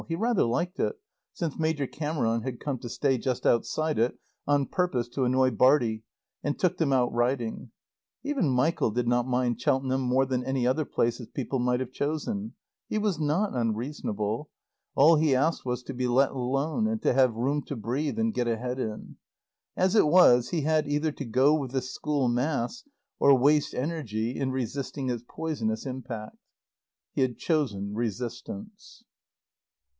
He rather liked it, since Major Cameron had come to stay just outside it on purpose to annoy Bartie and took them out riding. Even Michael did not mind Cheltenham more than any other place his people might have chosen. He was not unreasonable. All he asked was to be let alone, and to have room to breathe and get ahead in. As it was, he had either to go with the school mass, or waste energy in resisting its poisonous impact. He had chosen resistance.